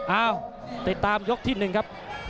เอ้าติดตามยกที่๑ครับ